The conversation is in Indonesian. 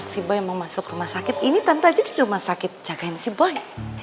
si boy mau masuk rumah sakit ini tante aja di rumah sakit jagain si boy